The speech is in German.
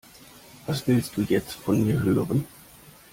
Was willst du jetzt von mir hören?